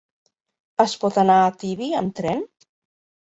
Es pot anar a Tibi amb tren?